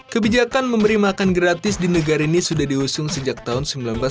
kebijakan memberi makan gratis di negara ini sudah diusung sejak tahun seribu sembilan ratus sembilan puluh